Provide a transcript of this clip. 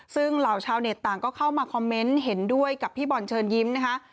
ซึ่งเหล่าชาวเน็ตต่างก็เข้ามาคอมเมนต์เห็นด้วยกับพี่บอลเชิญยิ้มนะคะ